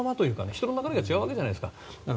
人の流れが違うわけじゃないですか。